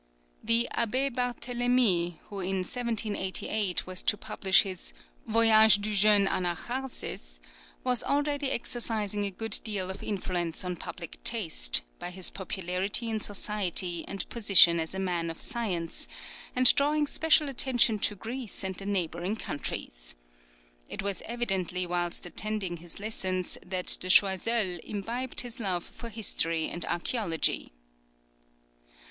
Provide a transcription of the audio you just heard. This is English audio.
The Abbé Barthélemy, who in 1788 was to publish his "Voyage du jeune Anacharsis," was already exercising a good deal of influence on public taste, by his popularity in society and position as a man of science, and drawing special attention to Greece and the neighbouring countries. It was evidently whilst attending his lessons that De Choiseul imbibed his love for history and archæology.